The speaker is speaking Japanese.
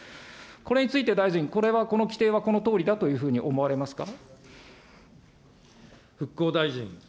これについて大臣、これはこの規定はこのとおりだというふうに思われますか。